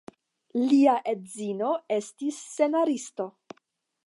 Lia edzino estis scenaristo.